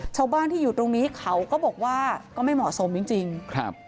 ชาวบ้านที่อยู่ตรงนี้เขาก็บอกว่าก็ไม่เหมาะสมจริงจริงครับ